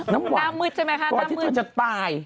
น้ำหวานก่อนที่จะตาย